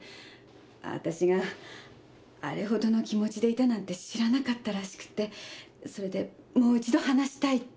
わたしがあれほどの気持ちでいたなんて知らなかったらしくてそれでもう一度話したいって。